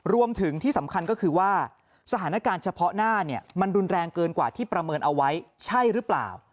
รวมถึงที่สำคัญก็คือว่าสถานการณ์เฉพาะหน้าเนี่ยมันรุนแรงเกินกว่าที่ประเมินเอาไว้ใช่หรือเปล่า